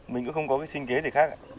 mình cũng không có cái xuyên ghế gì khác